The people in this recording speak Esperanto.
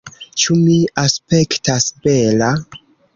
Ĉu mi aspektas bela?